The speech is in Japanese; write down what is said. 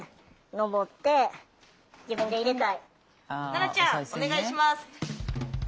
菜奈ちゃんお願いします！